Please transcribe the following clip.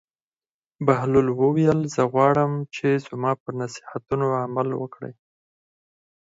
بهلول وویل: زه غواړم چې زما پر نصیحتونو عمل وکړې.